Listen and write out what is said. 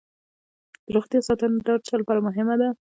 د روغتیا ساتنه د هر چا لپاره مهمه ده.